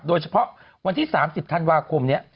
โดยเฉพาะวันที่๓๐ธันวาคมนี้